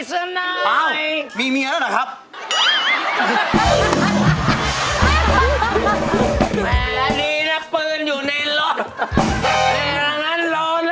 เวลามีงานวัดนะครับ